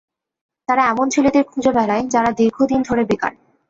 তারা এমন ছেলেদের খুঁজে বেড়ায়, যারা দীর্ঘদিন ধরে বেকার।